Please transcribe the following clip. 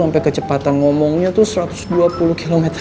sampai kecepatan ngomongnya tuh satu ratus dua puluh km